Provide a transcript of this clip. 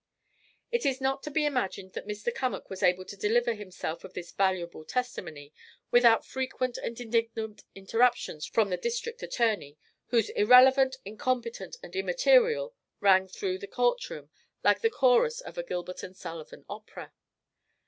It is not to be imagined that Mr. Cummack was able to deliver himself of this valuable testimony without frequent and indignant interruptions from the district attorney, whose "irrelevant, incompetent and immaterial" rang through the courtroom like the chorus of a Gilbert and Sullivan opera.